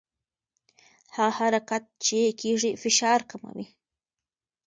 هغه حرکت چې کېږي فشار کموي.